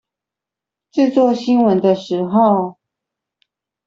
製作新聞的時候